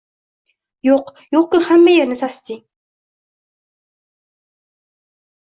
“Yog’ yo’q-ku, hamma yerni sasitding!”